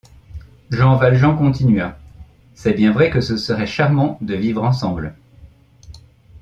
Jean Valjean continua :— C’est bien vrai que ce serait charmant de vivre ensemble.